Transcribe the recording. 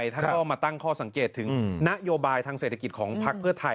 ท่านก็มาตั้งข้อสังเกตถึงนโยบายทางเศรษฐกิจของพักเพื่อไทย